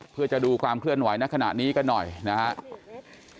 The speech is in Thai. เพื่อจะดูความเคลื่อนไหวในขณะนี้กันหน่อยนะครับ